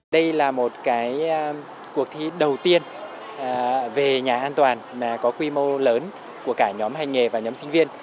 đây là một cuộc thi đầu tiên về nhà an toàn có quy mô lớn của cả nhóm hành nghề và nhóm sinh viên